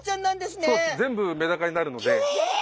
全部メダカになるので。